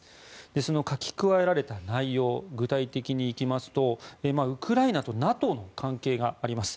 その書き加えられた内容具体的にいきますとウクライナとＮＡＴＯの関係があります。